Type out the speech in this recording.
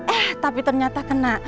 eh tapi ternyata kena